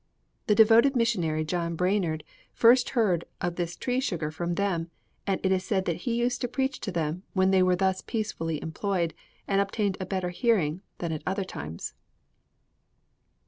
The devoted missionary John Brainerd first heard of this tree sugar from them, and it is said that he used to preach to them when they were thus peacefully employed, and obtained a better hearing than at other times."